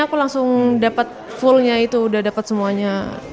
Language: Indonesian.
aku langsung dapet fullnya itu udah dapet semuanya